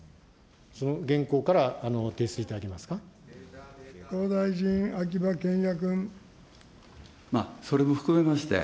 その原稿から提出いただけますか。